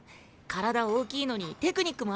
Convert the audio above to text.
体大きいのにテクニックもあるしさ。